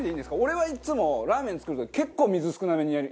俺はいつもラーメン作る時結構水少なめに入れるんですよ。